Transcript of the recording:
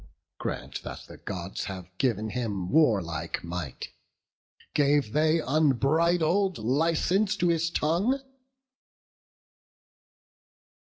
Grant that the Gods have giv'n him warlike might, Gave they unbridled license to his tongue?"